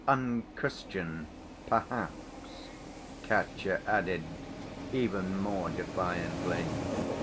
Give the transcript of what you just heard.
unchristian, perhaps?" Katya added, even more defiantly.